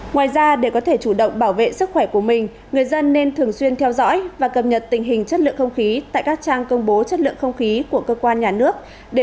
ngoài ra để có thể chủ động bảo vệ sức khỏe của mình người dân nên thường xuyên theo dõi và cập nhật tình hình chất lượng không khí tại các trang công bố chất lượng không khí của cơ quan nhà nước